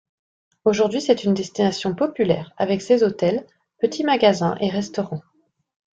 Aujourd'hui, c'est une destination populaire avec ses hôtels, petits magasins et restaurants.